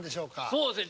そうですね